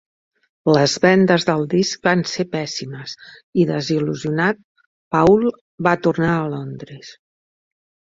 Les vendes del disc van ser pèssimes i, desil·lusionat, Paul va tornar a Londres.